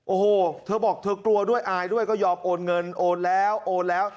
โอ้โหเธอบอกเธอกลัวด้วยอายด้วยก็ยอมโอนเงินโอนแล้วโอนแล้ว